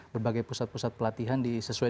berbagai pusat pusat pelatihan di sesuai